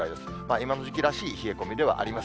今の時期らしい冷え込みではあります。